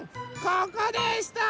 ここでした！